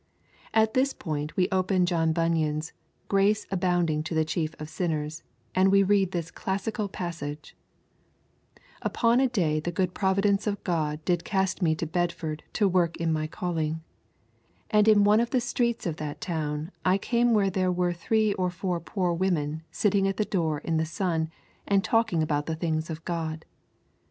At this point we open John Bunyan's Grace Abounding to the Chief of Sinners, and we read this classical passage: 'Upon a day the good providence of God did cast me to Bedford to work in my calling: and in one of the streets of that town I came where there were three or four poor women sitting at the door in the sun and talking about the things of God.